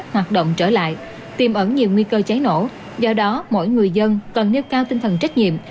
hoạt động trở lại tiêm ẩn nhiều nguy cơ cháy nổ do đó mỗi người dân cần nêu cao tinh thần trách nhiệm